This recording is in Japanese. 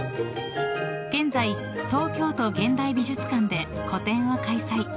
現在、東京都現代美術館で個展を開催。